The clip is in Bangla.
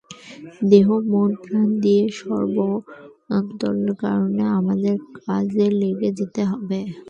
দেহ-মন-প্রাণ দিয়ে সর্বান্তঃকরণে আমাদের কাজে লেগে যেতে হবে।